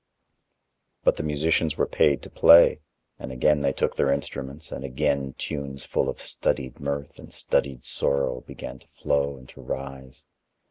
But the musicians were paid to play and again they took their instruments and again tunes full of studied mirth and studied sorrow began to flow and to rise.